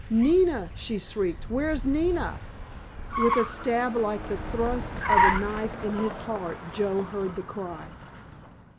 "Nina," she shrieked, "where's Nina?" With a stab like the thrust of a knife in his heart Joe heard the cry.